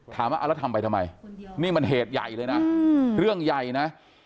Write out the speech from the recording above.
ถามว่าเอาแล้วทำไปทำไมนี่มันเหตุใหญ่เลยนะเรื่องใหญ่นะ